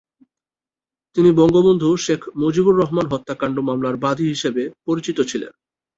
তিনি বঙ্গবন্ধু শেখ মুজিবুর রহমান হত্যাকাণ্ড মামলার বাদী হিসেবে পরিচিত ছিলেন।